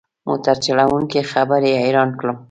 موټر چلوونکي خبرې حیران کړم.